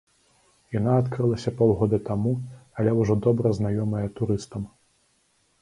Яна адкрылася паўгода таму, але ўжо добра знаёмая турыстам.